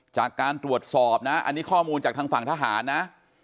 จากการตรวจสอบนะอันนี้ข้อมูลจากทางฝั่งทหารนะ